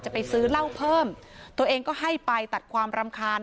ไปซื้อเหล้าเพิ่มตัวเองก็ให้ไปตัดความรำคาญ